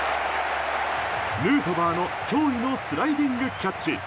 ヌートバーの驚異のスライディングキャッチ。